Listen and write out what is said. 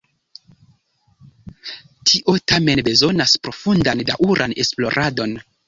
Tio tamen bezonas profundan, daŭran esploradon.